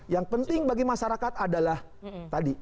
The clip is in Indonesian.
yang penting bagi masyarakat adalah tadi